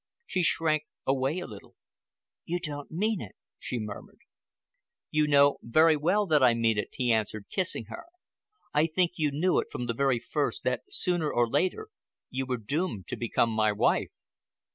She shrank away a little. "You don't mean it," she murmured. "You know very well that I mean it," he answered, kissing her. "I think you knew from the very first that sooner or later you were doomed to become my wife."